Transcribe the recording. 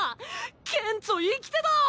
ケンチョ生きてた！